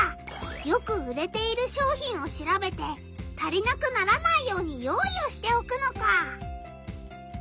よく売れている商品を調べて足りなくならないように用意をしておくのか。